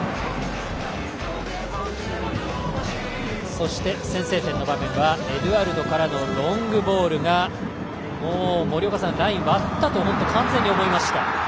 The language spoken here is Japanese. そして、先制点の場面はエドゥアルドからのロングボールが森岡さん、ライン割ったと完全に思いました。